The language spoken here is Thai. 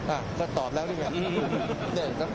อ่ะก็ตอบแล้วนี่แหละ